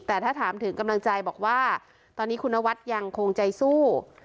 แต่ถ้าถามถึงกำลังใจบอกว่าตอนนี้คุณนวัดยังคงใจสู้